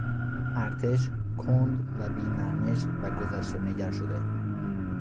ارتش کند و بی نرمش و گذشتهنگر شده بود.